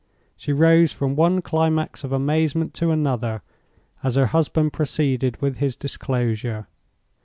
She rose from one climax of amazement to another, as her husband proceeded with his disclosure.